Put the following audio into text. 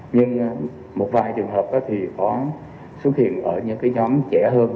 nhưng một vài trường hợp thì có xuất hiện ở những cái nhóm trẻ hơn